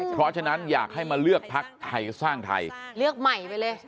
เพราะฉะนั้นอยากให้มาเลือกพักไทยสร้างไทยเลือกใหม่ไปเลย